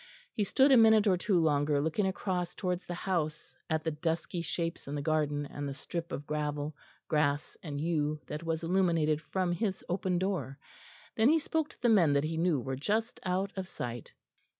He stood a minute or two longer looking across towards the house at the dusky shapes in the garden and the strip of gravel, grass, and yew that was illuminated from his open door. Then he spoke to the men that he knew were just out of sight.